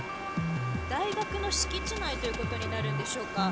大学の敷地内ということになるんでしょうか。